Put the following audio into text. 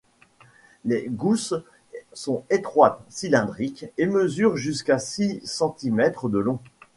Les gousses sont étroites, cylindriques, et mesurent jusqu'à six centimètres de long.